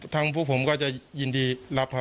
พวกผมก็จะยินดีรับครับ